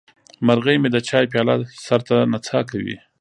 مرغه مې د چای پیاله سر ته نڅا کوي.